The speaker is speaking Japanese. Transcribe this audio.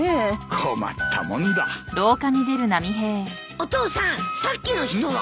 お父さんさっきの人は？